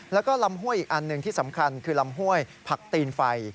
แล้วก็ลำห้วยอีกอันหนึ่งที่สำคัญคือลำห้วยผักตีนไฟ